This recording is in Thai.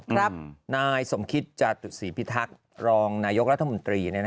ครับนายสมคิตจตุศรีพิทักษ์รองนายกรัฐมนตรี